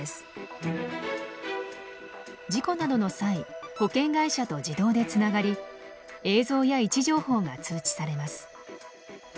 事故などの際保険会社と自動でつながり映像や位置情報が通知されます。